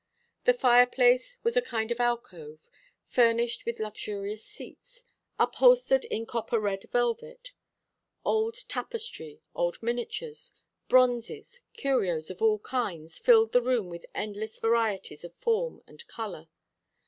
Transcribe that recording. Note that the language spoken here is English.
The fireplace was a kind of alcove, furnished with luxurious seats, upholstered in copper red velvet. Old tapestry, old miniatures, bronzes, curios of all kinds filled the room with endless varieties of form and colour.